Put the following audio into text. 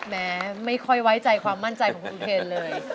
แม้ไม่ค่อยไว้ใจความมั่นใจของคุณอุเทนเลย